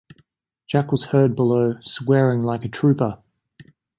Jack was heard below, swearing like a trooper.